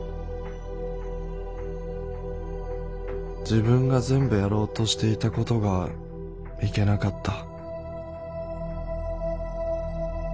「自分が全部やろうとしていたことがいけなかった」。